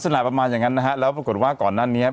ลักษณะประมาณอย่างนั้นนะฮะแล้วปรากฏว่าก่อนหน้านี้